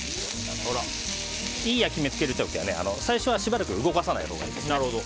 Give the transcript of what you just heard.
いい焼き目をつける時は最初はしばらく動かさないほうがいいです。